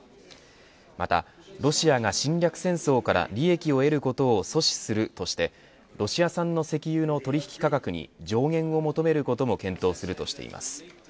またロシアが侵略戦争から利益を得ることを阻止するとしてロシア産の石油の取引価格に上限を求めることも検討するとしています。